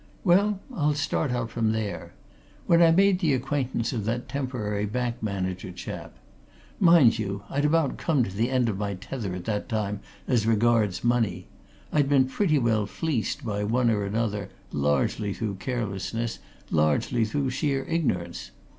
Well, I'll start out from there when I made the acquaintance of that temporary bank manager chap. Mind you, I'd about come to the end of my tether at that time as regards money I'd been pretty well fleeced by one or another, largely through carelessness, largely through sheer ignorance.